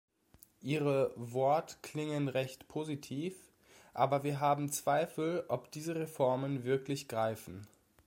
Ihre Wort klingen recht positiv, aber wir haben Zweifel, ob diese Reformen wirklich greifen.